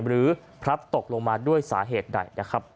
หรือพลับตกลงมาด้วยสาเหตุใด